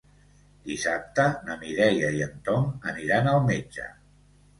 Dissabte na Mireia i en Tom aniran al metge.